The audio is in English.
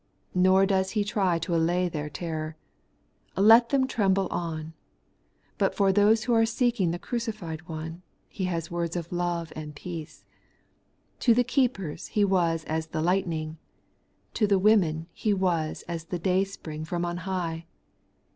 Nor does he try to allay their terror. Let them tremble on. But for those who are seeking the crucified One he has words of love and peace. To the keepers he Vas as the lightning ; to the women he was as the dayspring from on high.